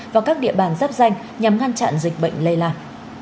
và các địa bàn dắp danh nhằm ngăn chặn dịch bệnh lây lại